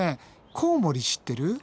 コウモリ知ってる。